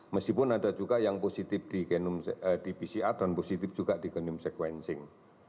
meskipun ada juga yang positif di pcr dan positif juga di genome sequencing